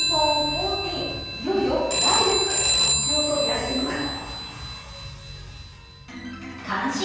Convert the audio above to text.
ｉＰｈｏｎｅ１４、いよいよ来月発表とみられています。